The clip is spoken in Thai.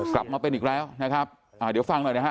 กลับมาเป็นอีกแล้วนะครับอ่าเดี๋ยวฟังหน่อยนะฮะ